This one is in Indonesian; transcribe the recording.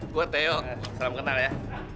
gue teo salam kenal ya